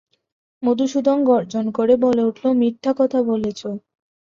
মধুসূদন গর্জন করে বলে উঠল, মিথ্যে কথা বলছ।